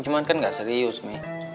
cuma kan enggak serius mi